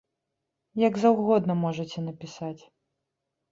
Як заўгодна можаце напісаць.